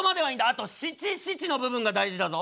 あと七・七の部分が大事だぞ。